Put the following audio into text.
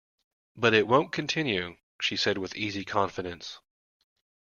But it won't continue, she said with easy confidence.